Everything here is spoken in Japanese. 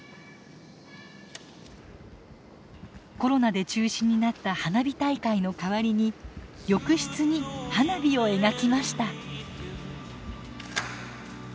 コロナで中止になった花火大会の代わりに浴室に花火を描きました。